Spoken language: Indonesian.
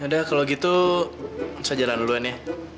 udah kalau gitu saya jalan duluan ya